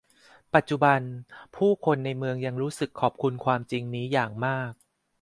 ปัจจุบัน ผู้คนในเมืองยังรู้สึกขอบคุณความจริงนี้อย่างมาก